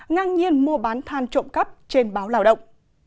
ngang nhiên mua bán than trộm cắp trên báo lao động